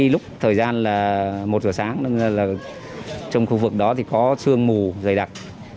lúc thời gian là một giờ sáng trong khu vực đó có sương mù dày đặc